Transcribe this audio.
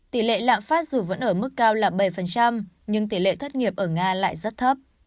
tỷ lệ lạm phát dù vẫn ở mức cao là bảy nhưng tỷ lệ thất nghiệp ở nga lại rất thấp